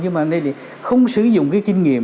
nhưng mà anh đây thì không sử dụng cái kinh nghiệm